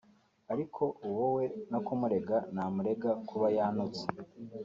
ariko uwo we no kumurega namurega kuba yantutse